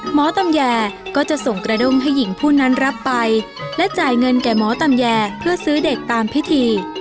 หมอตำแยก็จะส่งกระด้งให้หญิงผู้นั้นรับไปและจ่ายเงินแก่หมอตำแยเพื่อซื้อเด็กตามพิธี